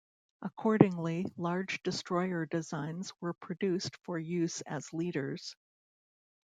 Accordingly, large destroyer designs were produced for use as leaders.